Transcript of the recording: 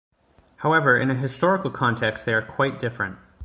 However, in a historical context they are quite different.